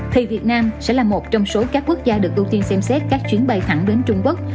thì việt nam sẽ là một trong số các quốc gia được ưu tiên xem xét các chuyến bay thẳng đến trung quốc